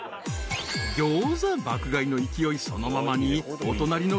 ［ギョーザ爆買いの勢いそのままに］